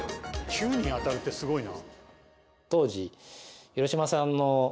９人当たるってすごいな。